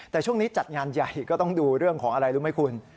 แต่ช่วงนี้จัดงานใหญ่ก็ต้องดูเรื่องของอะไรรู้ไหมคุณ